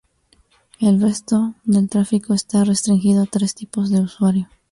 El resto del tráfico está restringido a tres tipos de usuario.